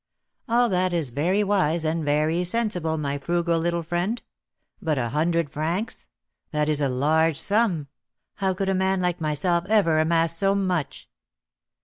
"All that is very wise and very sensible, my frugal little friend; but a hundred francs! that is a large sum; how could a man like myself ever amass so much?"